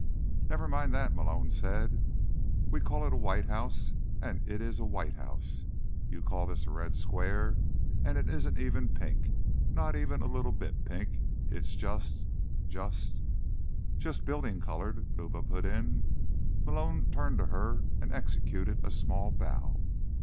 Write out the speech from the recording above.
"Never mind that," Malone said. "We call it a white house, and it is a white house. You call this a red square, and it isn't even pink. Not even a little bit pink. It's just—just—" "Just building colored," Luba put in. Malone turned to her and executed a small bow.